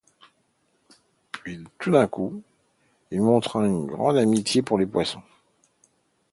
Puis, tout d'un coup, il montra une grande amitié pour les Poisson.